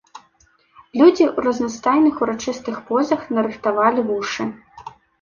Людзі ў разнастайных урачыстых позах нарыхтавалі вушы.